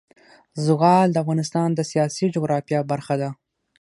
زغال د افغانستان د سیاسي جغرافیه برخه ده.